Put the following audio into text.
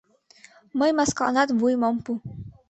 Мый маскаланат вуйым ом пу.